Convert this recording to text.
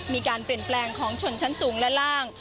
มีการเปลี่ยนแปลงของชนชั้นสูงและล่าง